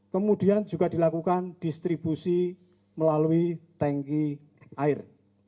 kemudian juga dilakukan distribusi melalui tanki air